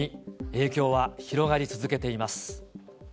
影響は広がり続けています。